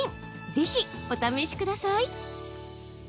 ぜひ、お試しください。